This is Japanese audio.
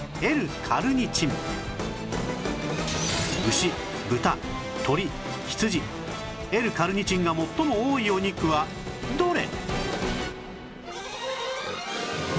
牛豚鶏羊 Ｌ− カルニチンが最も多いお肉はどれ？